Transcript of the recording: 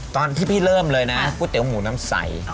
ตอนที่พี่เริ่มเลยนะก๋วยเตี๋หมูน้ำใส